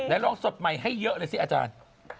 ลองสดใหม่ให้เยอะเลยสิอาจารย์